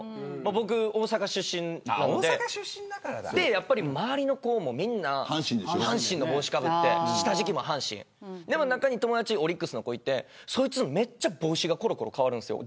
僕は大阪出身で周りの子もみんな阪神の帽子をかぶって下敷きも阪神ででも、仲のいい友達にオリックスの子がいてそいつ、めちゃくちゃ帽子がころころ変わるんですよ。